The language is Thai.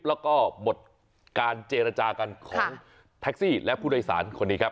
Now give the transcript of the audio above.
แล้วก็หมดการเจรจากันของแท็กซี่และผู้โดยสารคนนี้ครับ